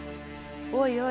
おいおい！